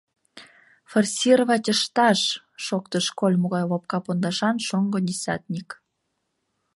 — Форсировать ышташ! — шоктыш кольмо гай лопка пондашан шоҥго десятник.